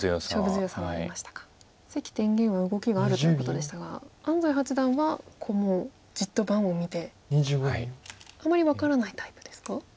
関天元は動きがあるということでしたが安斎八段はもうじっと盤を見てあまり分からないタイプですか？